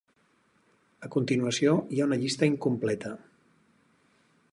A continuació hi ha una llista incompleta.